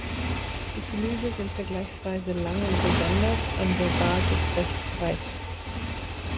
Die Flügel sind vergleichsweise lang und besonders an der Basis recht breit.